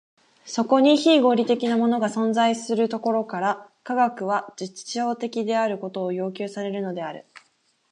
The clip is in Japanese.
そこに非合理的なものが存在するところから、科学は実証的であることを要求されるのである。